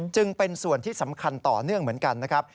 จึงเป็นส่วนที่สำคัญต่อเนื่องเหมือนกันนะครับ